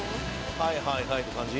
「はいはいはい」って感じ？